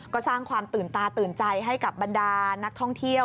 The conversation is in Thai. ก็สร้างความตื่นตาตื่นใจให้กับบรรดานักท่องเที่ยว